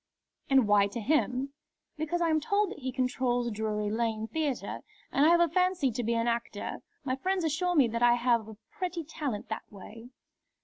"And why to him?" "Because I am told that he controls Drury Lane Theatre, and I have a fancy to be an actor. My friends assure me that I have a pretty talent that way."